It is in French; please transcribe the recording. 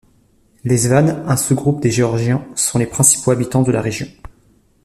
Les Svanes, un sous-groupe des Géorgiens, sont les principaux habitants de la région.